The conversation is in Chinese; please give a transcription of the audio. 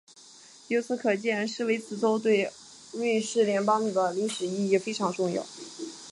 由此可见施维茨州对瑞士邦联的历史意义非常重要。